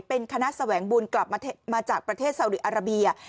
เป็นคณะแสวงบุญกลับมาจากประเทศสาวดีอาราเบีย